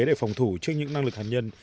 để phòng thủ trước những năng lực hạt nhân